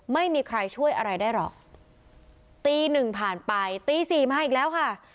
ไม่มีใครช่วยอะไรได้หรอกตีหนึ่งผ่านไปตีสี่มาอีกแล้วค่ะ